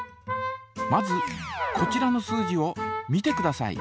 まずこちらの数字を見てください。